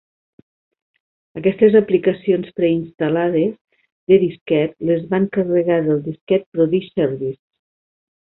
Aquestes aplicacions preinstal·lades de disquet, les van carregar del disquet Prodigy Service.